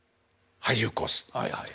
俳優コース